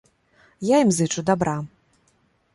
Я ім зычу дабра.